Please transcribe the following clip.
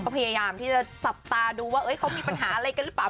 พยายามที่จะจับตาดูว่าเขามีปัญหาอะไรกันหรือเปล่า